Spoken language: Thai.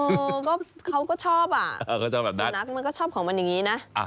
เออเขาก็ชอบอ่ะสูนักมันก็ชอบของมันอย่างนี้นะ